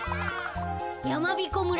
やまびこ村